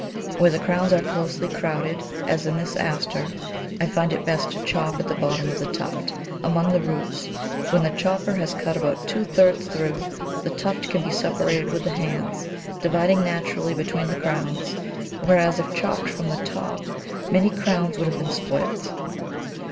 Where the crowns are closely crowded, as in this Aster, I find it best to chop at the bottom of the tuft, among the roots; when the chopper has cut about two thirds through, the tuft can be separated with the hands, dividing naturally between the crowns, whereas if chopped from the top many crowns would have been spoilt.